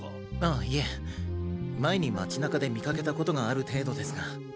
ああいえ前に街中で見かけた事がある程度ですが。